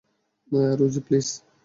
Rosie, please!